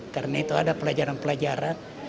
karena itu ada pelajaran pelajaran